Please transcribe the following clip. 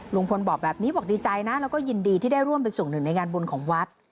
ลุงพลบอกแบบนี้บอกดีใจนะแล้วก็ยินดีที่ได้ร่วมเป็นส่วนหนึ่งในงานบุญของวัด